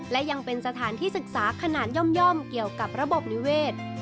และยังเป็นสถานที่ศึกษาขนาดย่อมเกี่ยวกับระบบนิเวศ